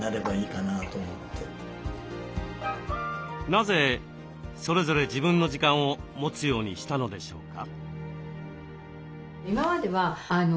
なぜそれぞれ自分の時間を持つようにしたのでしょうか？